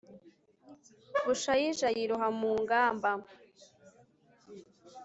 bushayija yiroha mu ngamba